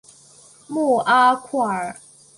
穆阿库尔。